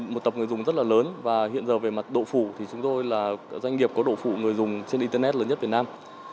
một tập người dùng rất là lớn và hiện giờ về mặt độ phủ thì chúng tôi là doanh nghiệp có độ phủ người dùng trên internet lớn nhất việt nam